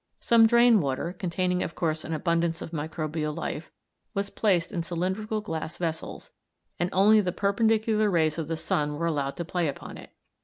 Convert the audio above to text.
Some drain water, containing, of course, an abundance of microbial life, was placed in cylindrical glass vessels, and only the perpendicular rays of the sun were allowed to play upon it.